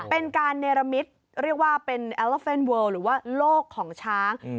เป็นการเนรมิตเรียกว่าเป็นหรือว่าโลกของช้างอืม